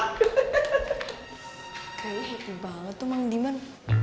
kayaknya happy banget tuh mang diman